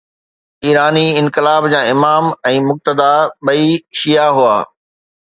ايراني انقلاب جا امام ۽ مقتدا ٻئي شيعه هئا.